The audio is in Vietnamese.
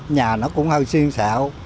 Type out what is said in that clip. nhà nó cũng hơi xuyên xạo